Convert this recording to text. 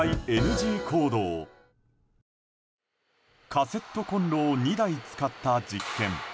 カセットコンロを２台使った実験。